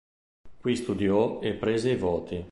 Qui studiò e prese i voti.